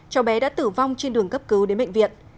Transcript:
cháu bé đã tử vong trên đường cấp cứu đến bệnh viện